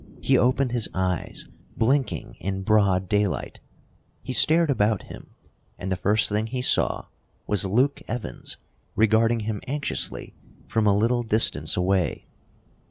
He opened his eyes, blinking in broad daylight. He stared about him, and the first thing he saw was Luke Evans, regarding him anxiously from a little distance away.